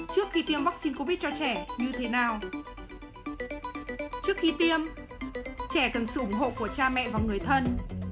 trước khi tiêm trẻ cần sự ủng hộ của cha mẹ và người thân